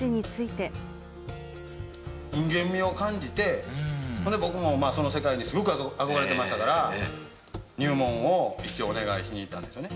人間味を感じて、それで僕もその世界にすごく憧れてましたから、入門を一応お願いしに行ったんですよね。